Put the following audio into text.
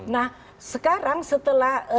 nah sekarang setelah